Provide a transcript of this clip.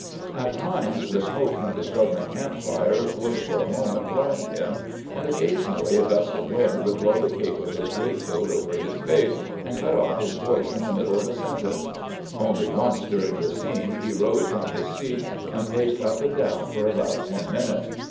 At times AN EVENTFUL MOKNING AT HEADQUARTEKS 103 the smoke from tlie struggling camp fire would for a moment blind Mm, and occasionally a gust of wind would blow the cape of his greatcoat over his face, and cut off his voice in the middle of a sentence. Only once during the scene he rose from his seat and paced up and down for about ten minutes.